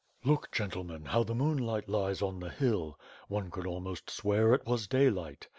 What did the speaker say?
"Look, gentlemen, how the moonlight lies on the hill. One could almost swear it was daylight.